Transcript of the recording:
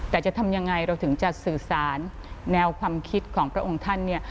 แต่จะทำยังไงเราถึงจะสื่อสารแนวความคิดของพระองค์ท่านเนี่ย